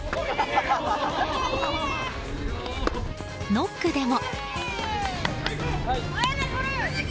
ノックでも。